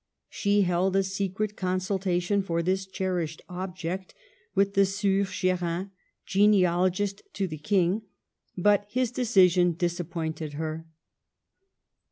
She held a secret consultation for this cherished object with the Sieur Ch£rin, genealogist to the King ; but his decision disappointed her.